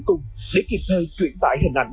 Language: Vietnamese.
cổ hát cổ thần